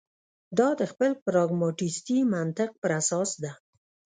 دا د خپل پراګماتیستي منطق پر اساس ده.